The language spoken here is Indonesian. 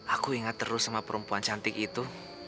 aku ingat terus sama perempuan cantik itu